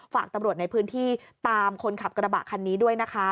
ฝากตำรวจในพื้นที่ตามคนขับกระบะคันนี้ด้วยนะคะ